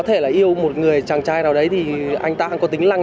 hay để tôi gọi công an không